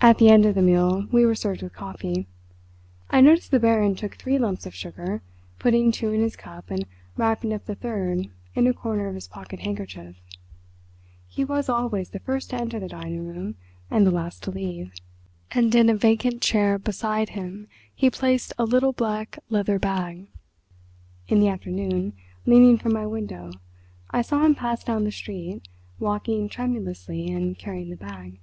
At the end of the meal we were served with coffee. I noticed the Baron took three lumps of sugar, putting two in his cup and wrapping up the third in a corner of his pocket handkerchief. He was always the first to enter the dining room and the last to leave; and in a vacant chair beside him he placed a little black leather bag. In the afternoon, leaning from my window, I saw him pass down the street, walking tremulously and carrying the bag.